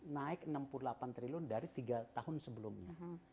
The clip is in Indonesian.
naik enam puluh delapan triliun dari tiga tahun sebelumnya